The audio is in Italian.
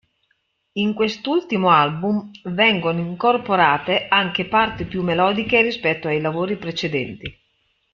In quest'ultimo album vengono incorporate anche parti più melodiche rispetto ai lavori precedenti.